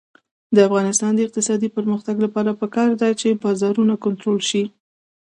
د افغانستان د اقتصادي پرمختګ لپاره پکار ده چې بازارونه کنټرول شي.